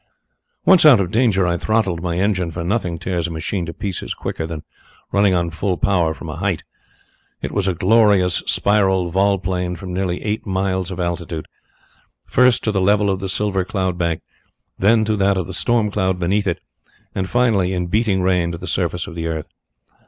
"Once out of danger I throttled my engine, for nothing tears a machine to pieces quicker than running on full power from a height. It was a glorious, spiral vol plane from nearly eight miles of altitude first, to the level of the silver cloud bank, then to that of the storm cloud beneath it, and finally, in beating rain, to the surface of the earth.